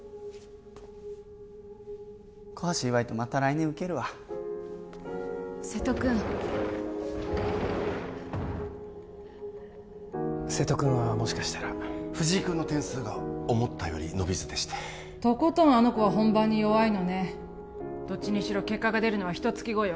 小橋岩井とまた来年受けるわ瀬戸君瀬戸君はもしかしたら藤井君の点数が思ったより伸びずでしてとことんあの子は本番に弱いのねどっちにしろ結果が出るのはひと月後よ